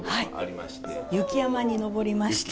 雪山に登りまして。